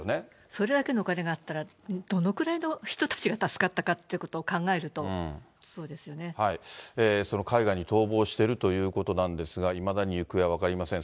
それだけのお金があったら、どのくらいの人たちが助かったかってことを考えると、そうですよその海外に逃亡しているということなんですが、いまだに行方は分かりません。